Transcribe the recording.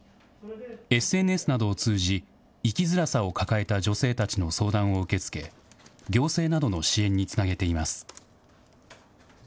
ＳＮＳなどを通じ、生きづらさを抱えた女性たちの相談を受け付け、行政などの支援につなげています。